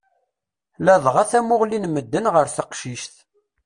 Ladɣa tamuɣli n medden ɣer teqcict.